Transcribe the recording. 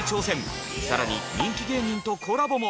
更に人気芸人とコラボも。